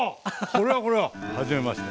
これはこれははじめまして！